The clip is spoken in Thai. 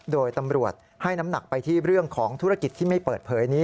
โดยตำรวจให้น้ำหนักไปที่เรื่องของธุรกิจที่ไม่เปิดเผยนี้